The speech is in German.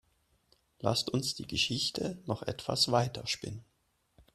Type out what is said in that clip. Lasst uns die Geschichte noch etwas weiter spinnen.